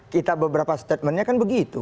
kita beberapa statementnya kan begitu